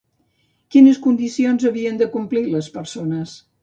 Quines condicions havien de complir les persones?